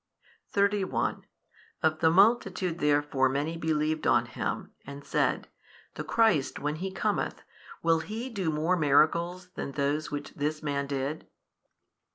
31 Of the multitude therefore many believed on Him, and said, The Christ when He cometh, will He do more miracles than those which This Man did?